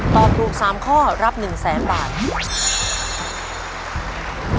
ตอบถูก๓ข้อรับ๑แสนบาท